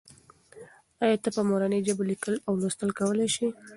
آیا ته په مورنۍ ژبه لیکل او لوستل کولای سې؟